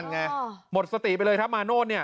หมดสติไปเลยครับมาโนธเนี่ย